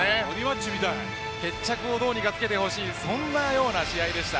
決着をどうにかつけてほしいそんな試合でした。